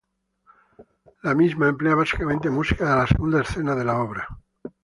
La misma emplea básicamente música de la segunda escena de la obra.